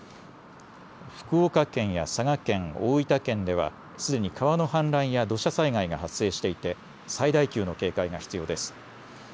福岡県や佐賀県、大分県ではすでに川の氾濫や土砂災害が発生していて最大級の警戒が必要です。